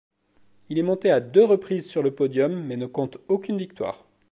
Il est monté à deux reprises sur le podium mais ne compte aucune victoire.